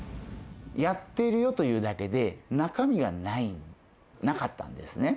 やってるよというだけで中身がないなかったんですね。